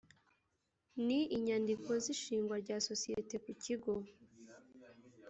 ni inyandiko z’ishingwa rya sosiyete ku kigo